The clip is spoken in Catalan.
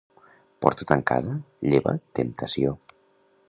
Porta tancada lleva temptació.